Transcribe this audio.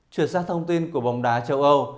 chuyển sang thông tin của bóng đá châu âu